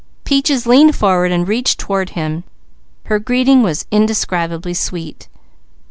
Peaches leaned forward and reached toward him; her greeting was indescribably sweet.